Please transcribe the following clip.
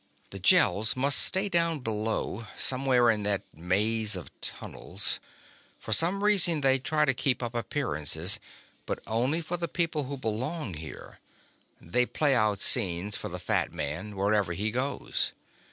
"The Gels must stay down below, somewhere in that maze of tunnels. For some reason they try to keep up appearances ... but only for the people who belong here. They play out scenes for the fat man, wherever he goes.